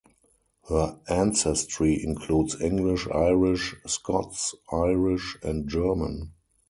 Her ancestry includes English, Irish, Scots-Irish, and German.